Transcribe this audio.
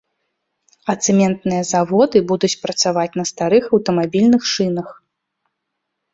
А цэментныя заводы будуць працаваць на старых аўтамабільных шынах.